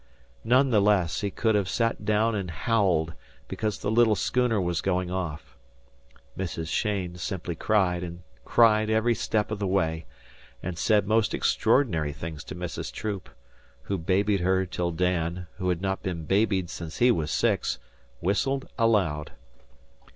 None the less, he could have sat down and howled because the little schooner was going off. Mrs. Cheyne simply cried and cried every step of the way and said most extraordinary things to Mrs. Troop, who "babied" her till Dan, who had not been "babied" since he was six, whistled aloud.